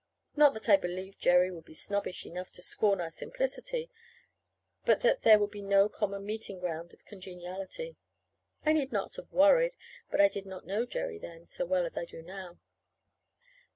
Not that I believed Jerry would be snobbish enough to scorn our simplicity, but that there would be no common meeting ground of congeniality. I need not have worried but I did not know Jerry then so well as I do now.